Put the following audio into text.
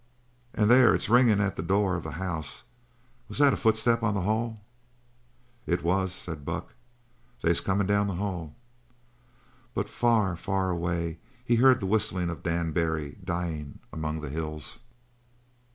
"Ay, there it's ringin' at the door of the house! Was that a footstep on the hall?" "It was," said Buck. "They's comin' down the hall!" But far, far away he heard the whistling of Dan Barry dying among the hills.